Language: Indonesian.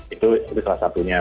itu salah satunya